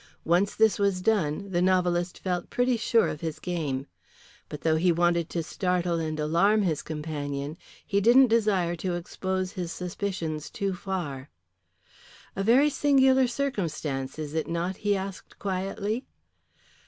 Once this was done, the novelist felt pretty sure of his game. But though he wanted to startle and alarm his companion, he didn't desire to expose his suspicions too far. "A very singular circumstance, is it not?" he asked, quietly.